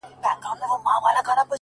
• که دښمن لرې په ښار کي راته وایه,